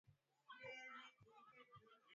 nywele sisi hazifanani na wazungu